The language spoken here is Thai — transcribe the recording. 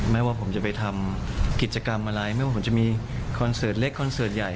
ไม่ว่าผมจะไปทำกิจกรรมอะไรไม่ว่าผมจะมีคอนเสิร์ตเล็กคอนเสิร์ตใหญ่